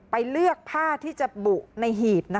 ไปเลือกผ้าที่จะบุในหีบ